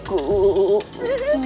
kamu mulai itu lagi